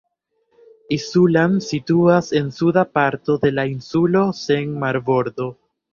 Isulan situas en suda parto de la insulo sen marbordo.